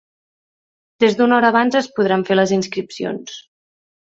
Des d’una hora abans es podran fer les inscripcions.